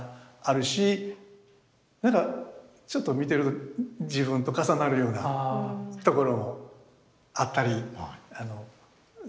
なんかちょっと見てると自分と重なるようなところもあったりするんですけどね。